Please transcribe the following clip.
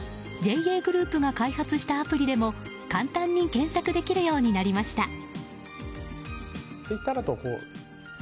ＪＡグループが開発したアプリでも簡単に検索できるようになりました。